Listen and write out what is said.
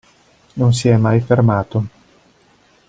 Non si è mai fermato.